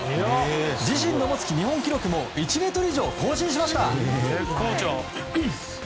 自身が持つ日本記録も１ｍ以上更新しました。